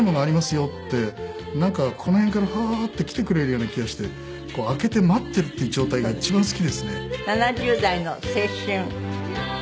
よってなんかこの辺からフワーッて来てくれるような気がして開けて待ってるっていう状態が一番好きですね。